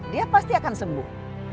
dia pasti akan sembuh